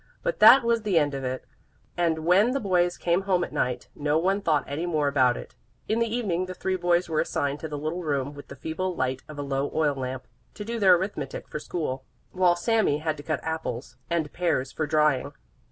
But that was the end of it, and when the boys came home at night no one thought any more about it. In the evening the three boys were assigned to the little room with the feeble light of a low oil lamp, to do their arithmetic for school, while Sami had to cut apples and pears for drying.